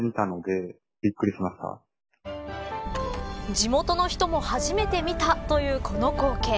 地元の人も初めて見たというこの光景。